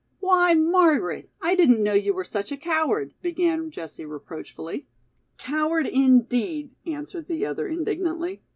"Why, Margaret, I didn't know you were such a coward," began Jessie reproachfully. "Coward, indeed," answered the other indignantly.